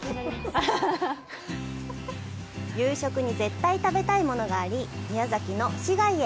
夕食に絶対食べたいものがあり、宮崎の市街へ。